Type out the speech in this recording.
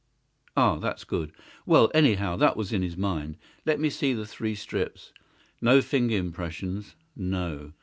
"Ah, that's good! Well, anyhow, that was in his mind. Let me see the three strips. No finger impressions—no!